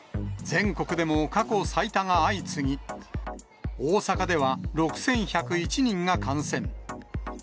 全国でも過去最多が相次ぎ、大阪では６１０１人が感染。